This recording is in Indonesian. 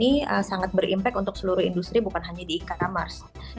ini sangat berimpak untuk seluruh industri bukan hanya di e commerce